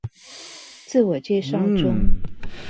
自我介紹中